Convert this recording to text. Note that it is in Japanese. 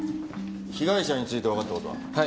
被害者についてわかった事は？